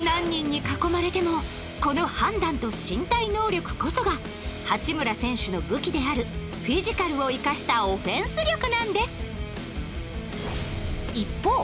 何人に囲まれてもこの判断と身体能力こそが八村選手の武器であるフィジカルを生かしたオフェンス力なんです